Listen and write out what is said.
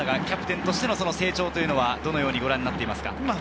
キャプテンとしての成長はどのようにご覧になっていますか？